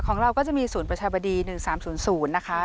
ของเราก็จะมีศูนย์ประชาบดี๑๓๐๐นะคะ